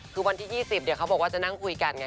คือวันที่๒๐เดี๋ยวเขาบอกว่าจะนั่งคุยกันไง